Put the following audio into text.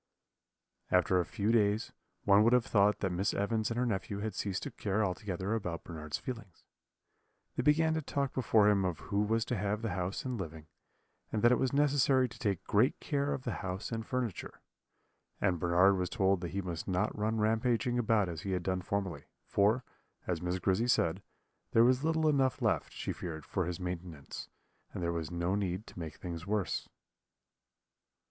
"After a few days, one would have thought that Miss Evans and her nephew had ceased to care altogether about Bernard's feelings; they began to talk before him of who was to have the house and living, and that it was necessary to take great care of the house and furniture; and Bernard was told that he must not run rampaging about as he had done formerly; for, as Miss Grizzy said, there was little enough left, she feared, for his maintenance, and there was no need to make things worse.